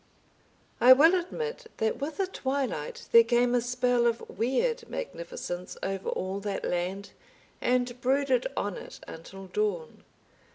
I will admit that with the twilight there came a spell of weird magnificence over all that land and brooded on it until dawn.